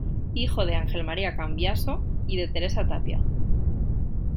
Hijo de Ángel María Cambiaso y de Teresa Tapia.